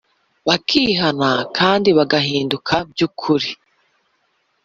bakihana, kandi bagahinduka by’ukuri